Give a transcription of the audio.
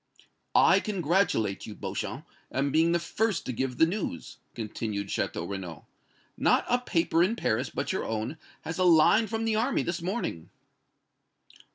"I congratulate you, Beauchamp, on being the first to give the news," continued Château Renaud. "Not a paper in Paris but your own has a line from the army this morning."